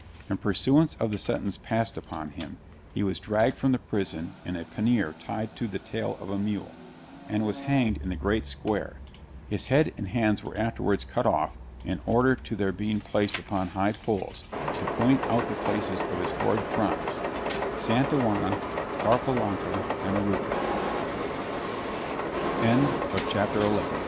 In pursuance of the sentence passed upon him, he was dragged from the prison in a pannier tied to the tail of a mule, and was hanged in the great square; his head and hands were afterwards cut off, in order to their being placed upon high poles, to point out the places of his horrid crimes, Santa Juona, Tarpellanca and Arauca. [Illustration: _The head of Benavides stuck on a pole.